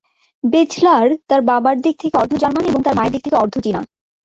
বেজলার তার বাবার দিক থেকে অর্ধ- জার্মান এবং তার মায়ের দিক থেকে অর্ধ- চীনা।